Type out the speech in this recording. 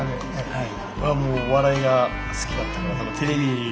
はい。